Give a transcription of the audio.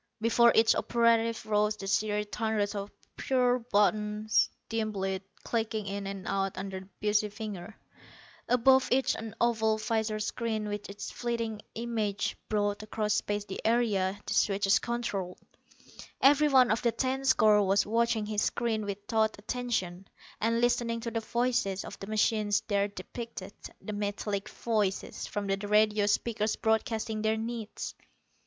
Before each operative rose the serried hundreds of pearl buttons, dim lit, clicking in and out under the busy fingers. Above each, an oval visor screen with its flitting images brought across space the area the switches controlled. Every one of the ten score was watching his screen with taut attention, and listening to the voices of the machines there depicted the metallic voices from the radio speakers broadcasting their needs.